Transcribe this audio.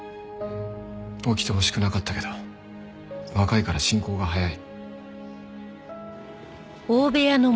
起きてほしくなかったけど若いから進行が早い。